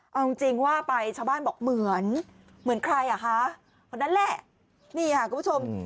เอาจริงจริงว่าไปชาวบ้านบอกเหมือนเหมือนใครอ่ะคะคนนั้นแหละนี่ค่ะคุณผู้ชม